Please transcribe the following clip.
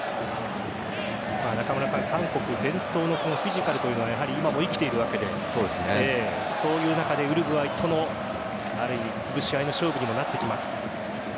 韓国伝統のフィジカルというのは今も生きているわけでそういう中でウルグアイとの潰し合いの勝負になってきます。